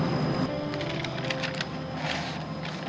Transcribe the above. pergi dari rumah om